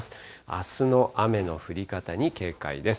あすの雨の降り方に警戒です。